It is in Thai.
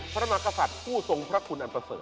พระมากษัตริย์ผู้ทรงพระคุณอันประเสริฐ